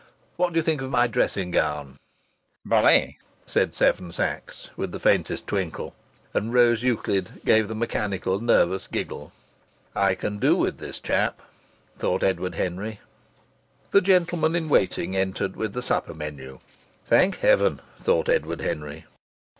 "What do you think of my dressing gown?" "Bully!" said Seven Sachs, with the faintest twinkle. And Rose Euclid gave the mechanical, nervous giggle. "I can do with this chap," thought Edward Henry. The gentleman in waiting entered with the supper menu. "Thank heaven!" thought Edward Henry.